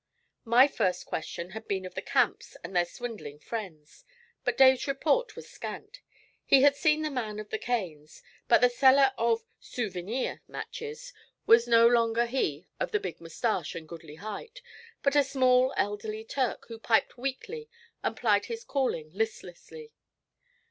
My first question had been of the Camps and their swindling friends, but Dave's report was scant. He had seen the man of the canes, but the seller of 'soo vy neer' matches was no longer he of the big moustache and goodly height, but a small elderly Turk, who piped weakly and plied his calling listlessly.